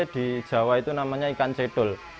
di jawa itu namanya ikan cedul